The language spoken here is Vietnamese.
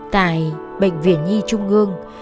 tại bệnh viện nhi trung ngương